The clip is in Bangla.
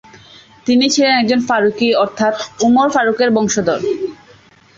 তিনি ছিলেন একজন ফারুকি অর্থাৎ উমর ফারুকের বংশধর।